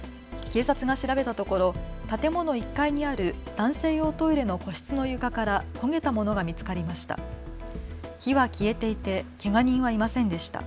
警察が調べたところ建物１階にある男性用トイレの個室の床から焦げたものが見つかりました。